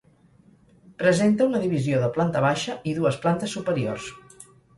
Presenta una divisió de planta baixa, i dues plantes superiors.